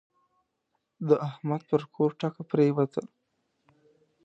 د احمد پر کور ټکه پرېوته.